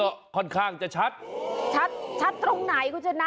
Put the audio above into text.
ก็ค่อนข้างจะชัดชัดตรงไหนคุณชนะ